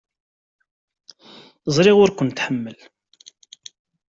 Ẓriɣ ur kent-tḥemmel.